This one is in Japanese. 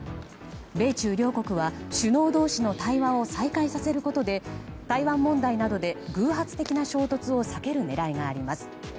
米中両国は首脳同士の対話を再開させることで台湾問題などで偶発的な衝突を避ける狙いがあります。